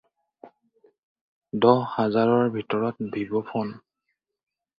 দহ হাজাৰৰ ভিতৰত ভিভ' ফ'ন।